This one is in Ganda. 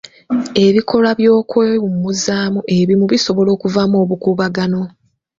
Ebikolwa by'okwewummuzaamu ebimu bisobola okuvaamu obukuubagano.